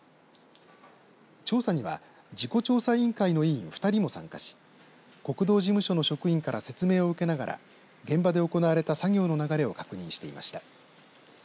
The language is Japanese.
調査には事故調査委員会の委員２人も参加し国道事務所の職員から説明を受けながら現場で行われた作業の流れを確認していました。